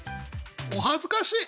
お恥ずかしい。